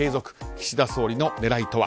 岸田総理の狙いとは。